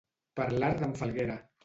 Per l'art d'en Falguera.